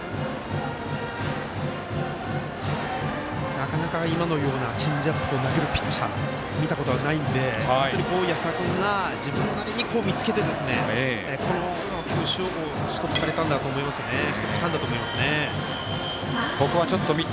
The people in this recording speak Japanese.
なかなか今のようなチェンジアップを投げるピッチャー見たことがないので安田君が自分なりに見つけてこの球種を取得したんだと思いますね。